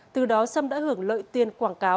từ đó sâm đã hưởng lợi tiền quảng cáo